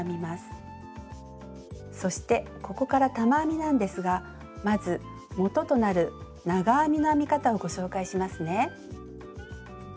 そしてここから玉編みなんですがまずもととなる「長編み」の編み方をご紹介しますね。